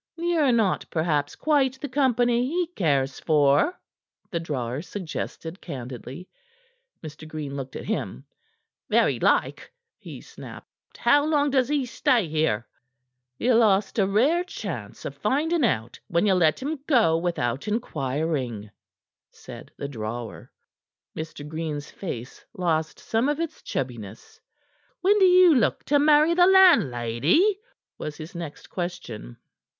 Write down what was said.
"Ye're not perhaps quite the company he cares for," the drawer suggested candidly. Mr. Green looked at him. "Very like," he snapped. "How long does he stay here?" "Ye lost a rare chance of finding out when ye let him go without inquiring," said the drawer. Mr. Green's face lost some of its chubbiness. "When d'ye look to marry the landlady?" was his next question.